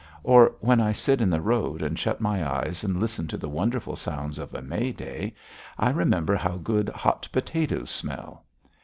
Or when I sit in the road and shut my eyes and listen to the wonderful sounds of a May day, I remember how good hot potatoes smell.